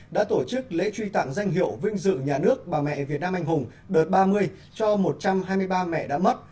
đã tổ chức lễ truy tặng danh hiệu vinh dự nhà nước bà mẹ việt nam anh hùng đợt ba mươi cho một trăm hai mươi ba mẹ đã mất